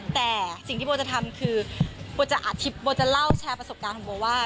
แต่สิ่งที่โบจะทำคือโบจะเล่าแชร์ประสบการณ์ของโบว่า